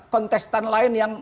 kontestan lain yang